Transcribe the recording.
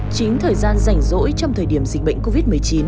chính thời gian rảnh rỗi trong thời điểm dịch bệnh covid một mươi chín